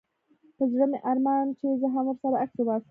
په زړه مي ارمان چي زه هم ورسره عکس وباسم